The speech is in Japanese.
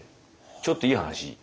ちょっといい話。